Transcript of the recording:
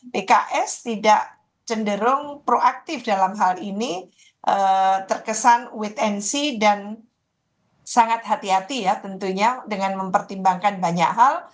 pks tidak cenderung proaktif dalam hal ini terkesan wait and see dan sangat hati hati ya tentunya dengan mempertimbangkan banyak hal